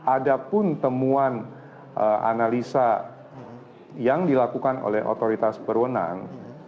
ada pun temuan analisa yang dilakukan oleh otoritas berwenang